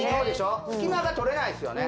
隙間がとれないですよね